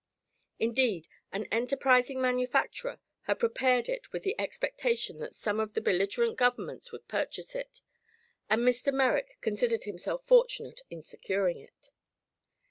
Indeed, an enterprising manufacturer had prepared it with the expectation that some of the belligerent governments would purchase it, and Mr. Merrick considered himself fortunate in securing it.